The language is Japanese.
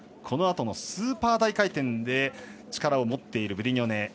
このあとのスーパー大回転で力を持っているブリニョネ。